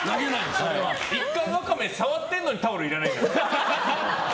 １回ワカメ触ってるのにタオルいらないって。